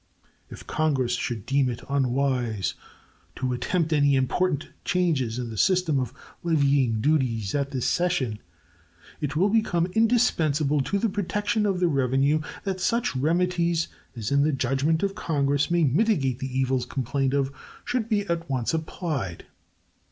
If Congress should deem it unwise to attempt any important changes in the system of levying duties at this session, it will become indispensable to the protection of the revenue that such remedies as in the judgment of Congress may mitigate the evils complained of should be at once applied.